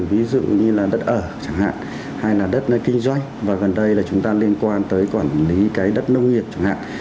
ví dụ như là đất ở chẳng hạn hay là đất nơi kinh doanh và gần đây là chúng ta liên quan tới quản lý cái đất nông nghiệp chẳng hạn